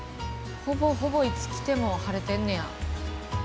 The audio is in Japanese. ほぼほぼいつ来ても晴れてんねや。